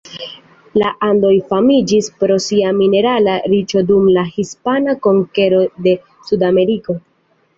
La Andoj famiĝis pro sia minerala riĉo dum la Hispana konkero de Sudameriko.